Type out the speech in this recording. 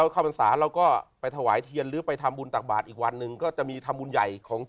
ข้าวบรรษาเราก็ไปถวายเถียนก็จะมีทำบุญใหญ่